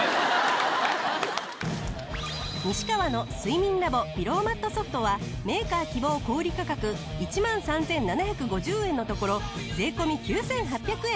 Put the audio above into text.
西川の睡眠ＬａｂｏピローマットＳｏｆｔはメーカー希望小売価格１万３７５０円のところ税込９８００円。